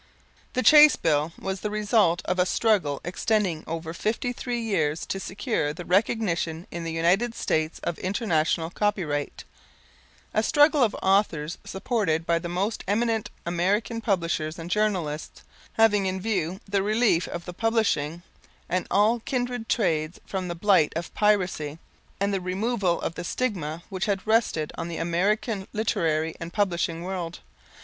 The Chace Bill was the result of a struggle extending over fifty three years to secure the recognition in the United States of International Copyright, a struggle of authors supported by the most eminent American publishers and journalists, having in view the relief of the publishing and all kindred trades from the blight of piracy, and the removal of the stigma which had rested on the American literary and publishing world.